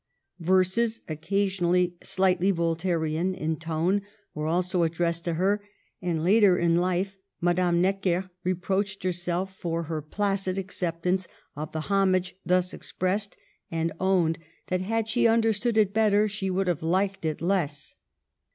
Verses, occasionally slightly Voltairian in tone, were also addressed to her ; and later in life Madame Necker reproached herself for her placid acceptance of the homage thus expressed, and owned that had she understood it better she would have liked it less.